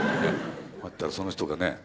そしたらその人がね